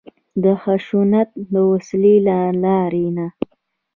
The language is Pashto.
د خشونت د وسلې له لارې نه.